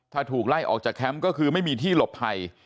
ถ้าถูกไล่ออกจากแคมป์ก็คือไม่มีที่หลบภัย